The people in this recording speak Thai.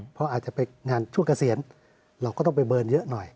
เพราะอาจจะไปงานช่วงเกษียณเราก็ต้องไปเบิร์นเยอะหน่อย